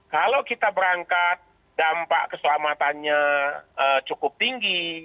kalau kita berangkat dampak keselamatannya cukup tinggi